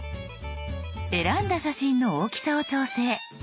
選んだ写真の大きさを調整。